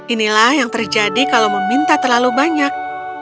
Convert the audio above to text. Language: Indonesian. inilah yang terjadi kalau meminta terlalu banyak